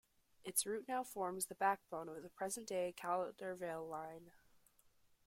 Its route now forms the backbone of the present-day Caldervale Line.